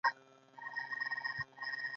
ایا ستاسو قسمت به بیدار نه وي؟